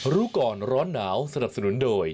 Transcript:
รู้ก่อนร้อนหนาวสนับสนุนโดย